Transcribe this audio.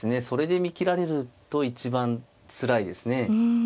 それで見切られると一番つらいですね。